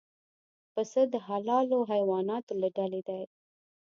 پسه د حلالو حیواناتو له ډلې دی.